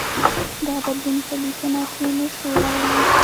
دغه بدلون په لیکنه کې نه شو راوړلای.